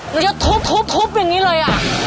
แล้วทุบอย่างนี้เลย